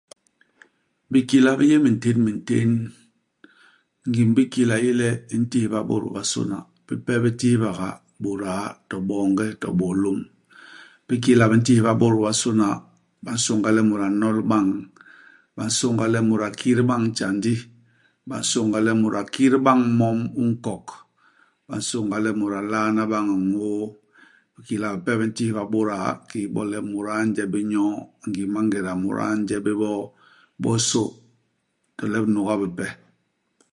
Bikila bi yé minténmintén. Ngim i bikila i yé le i ntihba bôt bobasôna ; bipe bi tihbaga bôda, to boonge to bôlôm. Bikila bi ntihba bôt bobasôna, ba nsônga le mut a nol bañ ; ba nsônga le mut a kit bañ tjandi ; ba nsônga le mut a kit bañ mom u nkok ; ba nsônga le mut a lalna bañ ñôô. Bikila bipe bi ntihba bôda, kiki bo le muda a nje bé nyoo, ngim i mangéda, muda a nje bé bo sô, to le binuga bipe.